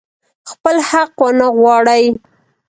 خپل حق ونه غواړي.